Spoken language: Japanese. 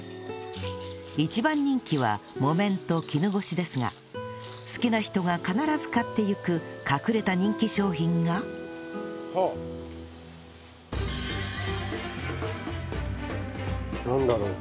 一番人気は木綿と絹ごしですが好きな人が必ず買っていく隠れた人気商品がなんだろう？